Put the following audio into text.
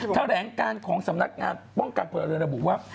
แถลงการของสำนักงานป้องกันพลเรือระบุว่า